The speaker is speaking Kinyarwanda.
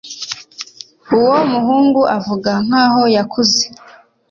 uwo muhungu avuga nkaho yakuze